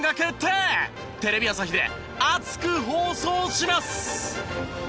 テレビ朝日で熱く放送します！